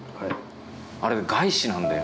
あれ外資なんだよ。